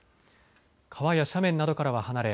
川や斜面などからは離れ